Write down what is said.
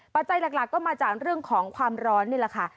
ปัจจัยหลักก็มาจากเรื่องของความร้อนนี่แหละค่ะ